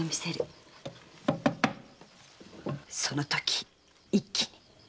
そのとき一気に！